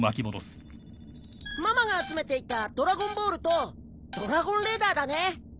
ママが集めていたドラゴンボールとドラゴンレーダーだね。